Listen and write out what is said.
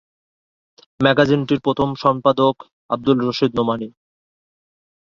ম্যাগাজিনটির প্রথম সম্পাদক আব্দুর রশিদ নোমানী।